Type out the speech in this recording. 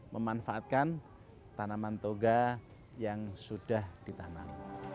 memanfaatkan tanaman toga yang sudah ditanam